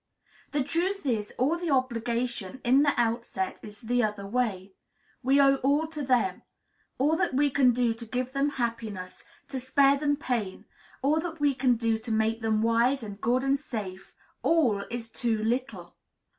The truth is, all the obligation, in the outset, is the other way. We owe all to them. All that we can do to give them happiness, to spare them pain; all that we can do to make them wise and good and safe, all is too little!